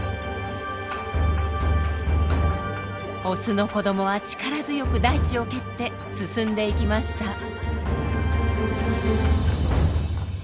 オスの子どもは力強く大地を蹴って進んでいきました。